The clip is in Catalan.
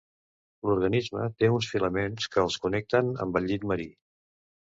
L'organisme té uns filaments que els connecten amb el llit marí.